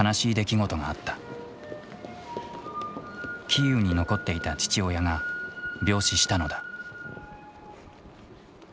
キーウに残っていた父親が病死したのだ。